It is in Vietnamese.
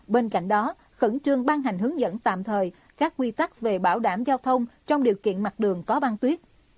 bên cạnh đó khẩn trương ban hành hướng dẫn tạm thời các quy tắc về bảo đảm giao thông trong điều kiện mặt đường có băng tuyết